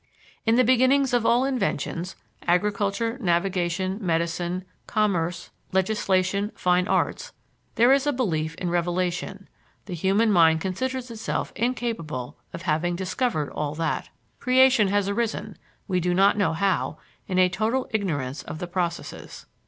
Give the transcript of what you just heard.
In the beginnings of all inventions agriculture, navigation, medicine, commerce, legislation, fine arts there is a belief in revelation; the human mind considers itself incapable of having discovered all that. Creation has arisen, we do not know how, in a total ignorance of the processes.